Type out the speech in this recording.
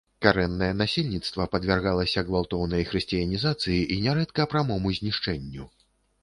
Карэннае насельніцтва падвяргалася гвалтоўнай хрысціянізацыі і нярэдка прамому знішчэнню.